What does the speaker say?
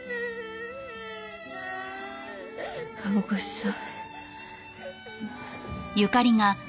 看護師さん。